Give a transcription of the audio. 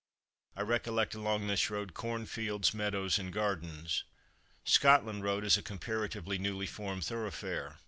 I recollect along this road cornfields, meadows and gardens. Scotland road is a comparatively newly formed thoroughfare.